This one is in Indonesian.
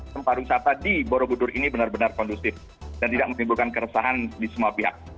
tempat wisata di borobudur ini benar benar kondusif dan tidak menimbulkan keresahan di semua pihak